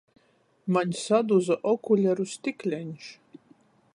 Maņ saduza okuleru stikleņš!